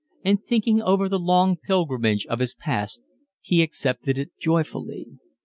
And thinking over the long pilgrimage of his past he accepted it joyfully.